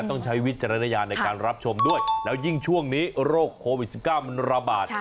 ใช้วิจารณญาณในการรับชมด้วยแล้วยิ่งช่วงนี้โรคโควิด๑๙มันระบาด